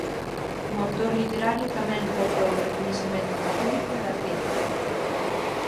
Como autor literario tamén logrou o recoñecemento do público e da crítica.